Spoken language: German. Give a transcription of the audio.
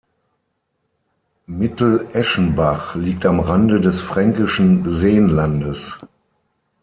Mitteleschenbach liegt am Rande des Fränkischen Seenlandes.